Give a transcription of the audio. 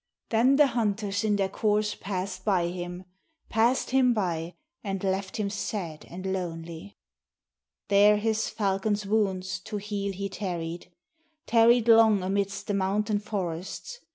Then the hunters in their course pass'd by him — Pass'd him by, and left him sad and lonely. 416 MARKO AND THE TURKS There his falcon's wounds to heal he tarried — Tarried long amidst the mountain forests.